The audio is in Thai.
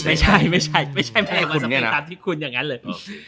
ไม่ใช่แมลงวันสเปนตามที่คุณอย่างนั้นเลย